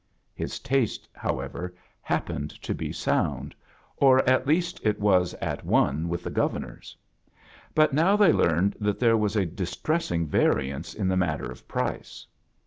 His taste, however, happened to be sound, or, at least, it was at one with the Governor's; but now they learned that there was adi» tressing variance in the matter of price.